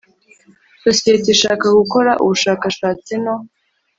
Sosiyete ishaka gukora ubushakashatsi no